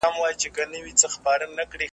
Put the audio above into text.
چي پخوا به یې مېړه څنګ ته ویده وو .